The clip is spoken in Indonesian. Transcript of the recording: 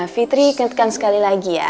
fitri ingatkan sekali lagi